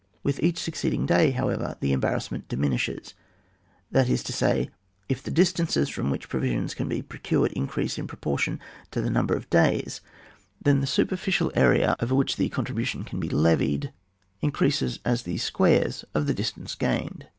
With each succeeding day, however, the eniibarrassment diminishes; that is to say, if ihe distances from which provisions can be procured increase in proportion to the number of days, then the superficial area VOL. n. B over which the contributions can be levied increases as the squares of the distances gained.